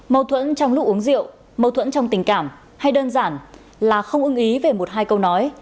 mâu thuẫn trong lúc uống rượu mâu thuẫn trong tình cảm hay đơn giản là không ưng ý về một hai câu nói